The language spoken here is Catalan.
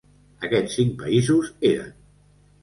Aquests cinc països eren: